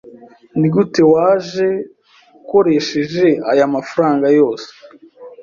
Nigute waje ukoresheje aya mafaranga yose?